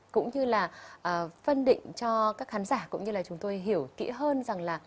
cũng như là phân định cho các khán giả cũng như là chúng tôi hiểu kỹ hơn rằng là